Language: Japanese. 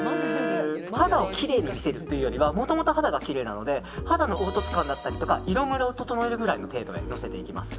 肌をきれいに見せるというよりはもともと肌がきれいなので肌の凹凸感だったりとか色ムラを整えるくらいの程度でのせていきます。